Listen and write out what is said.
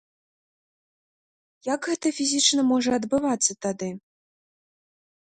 Як гэта фізічна можа адбывацца тады?